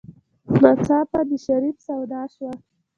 ناڅاپه د شريف سودا شوه.